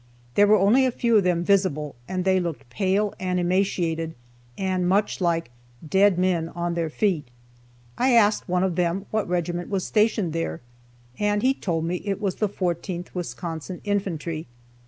There were only a few of them visible, and they looked pale and emaciated, and much like "dead men on their feet." I asked one of them what regiment was stationed there, and he told me it was the 14th Wisconsin Infantry.